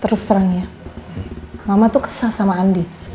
terus terang ya mama tuh kesal sama andi